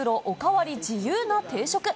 お代わり自由な定食。